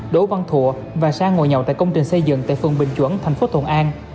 đỗ văn thụ và sang ngồi nhậu tại công trình xây dựng tại phường bình chuẩn thành phố thuận an